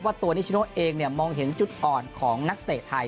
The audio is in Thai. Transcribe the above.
ตัวนิชโนเองมองเห็นจุดอ่อนของนักเตะไทย